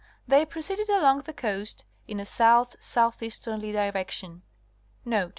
They proceeded along the coast in a south south easterly direction. Note.